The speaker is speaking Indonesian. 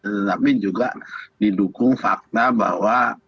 tetapi juga didukung fakta bahwa